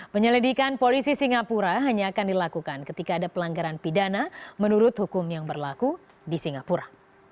penyelidikan polisi singapura hanya akan dilakukan ketika ada pelanggaran pidana menurut hukum yang berlaku di singapura